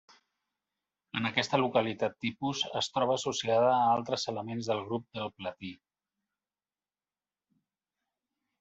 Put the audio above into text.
En aquesta localitat tipus es troba associada a altres elements del grup del platí.